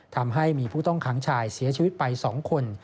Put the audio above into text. ทำให้มีผู้ต้องขังชายเสียชีวิตไป๒คน